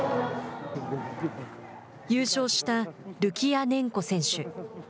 優勝したルキヤネンコ選手。